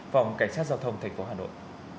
phòng cảnh sát giao thông tp hà nội